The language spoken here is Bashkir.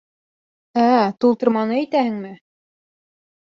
— Ә-ә, тултырманы әйтәһеңме?